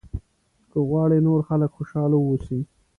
که غواړې نور خلک خوشاله واوسي.